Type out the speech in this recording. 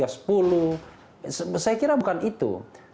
saya kira bukan itu